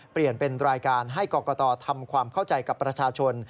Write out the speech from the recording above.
เปลี่ยนเป็นรายการให้กรกตทำความเข้าใจกับประชาชน